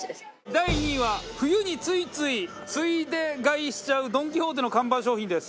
第２位は冬についついついで買いしちゃうドン・キホーテの看板商品です。